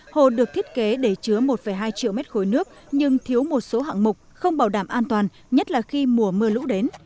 hồ được thiết kế để chứa một hai triệu mét khối nước nhưng thiếu một số hạng mục không bảo đảm an toàn nhất là khi mùa mưa lũ đến